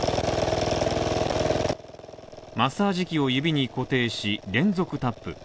マッサージ器を指に固定し、連続タップ。